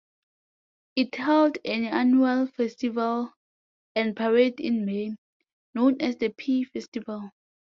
It held an annual festival and parade in May, known as the "Pea Festival".